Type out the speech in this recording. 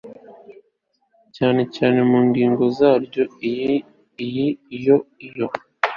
cyane cyane mu ngingo zaryo iya iya iya